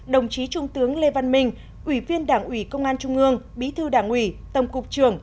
đồng chí trung tướng lê văn minh ủy viên đảng ủy công an trung ương bí thư đảng ủy tổng cục trưởng